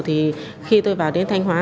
thì khi tôi vào đến thanh hóa